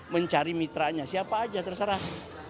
mencari mitranya siapa aja terserah